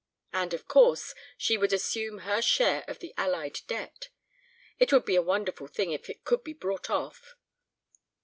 And, of course, she would assume her share of the Allied debt. ... It would be a wonderful thing if it could be brought off.